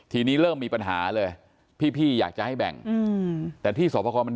ทีนี้เริ่มมีปัญหาเลยพี่อยากจะให้แบ่งแต่ที่สอบประคอมัน